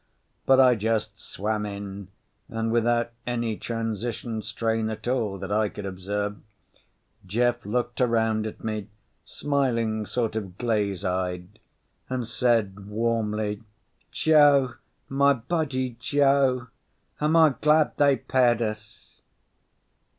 But I just swam in, and without any transition strain at all that I could observe Jeff looked around at me, smiling sort of glaze eyed, and said warmly, "Joe. My buddy Joe. Am I glad they paired us."